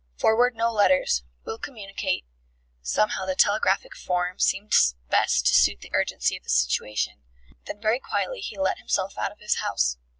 "Forward no letters. Will communicate. ..." (Somehow the telegraphic form seemed best to suit the urgency of the situation.) Then very quietly he let himself out of his house.